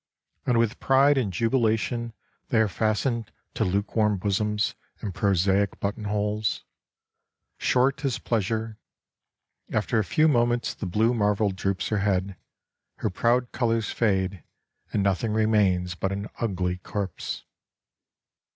And with pride and jubilation they are fastened to lukewarm bosoms and prosaic button holes. Short is pleasure ; after a few moments the blue marvel droops her head, her proud colors fade, and nothing remains but an ugly corpse.